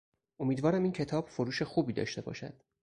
امیدوارم این کتاب فروش خوبی داشته باشد.